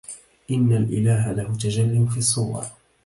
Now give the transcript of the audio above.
إن الإله له تجل في الصور